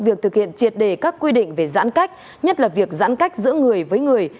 việc thực hiện triệt đề các quy định về giãn cách nhất là việc giãn cách giữa người với người